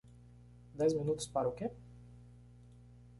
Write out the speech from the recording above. Dez minutos para o que?